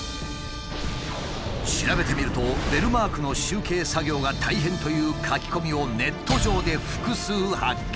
調べてみると「ベルマークの集計作業が大変」という書き込みをネット上で複数発見。